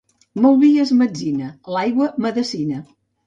Molt vi és metzina, l'aigua, medecina.